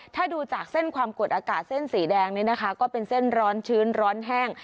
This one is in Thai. ถ้าดูจากเส้นความกดอากาศเส้นสีแดงนี่นะคะก็เป็นเส้นร้อนชื้นร้อนแห้ง